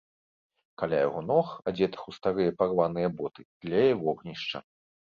Каля яго ног, адзетых у старыя парваныя боты, тлее вогнішча.